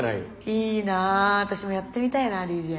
いいな私もやってみたいなＤＪ。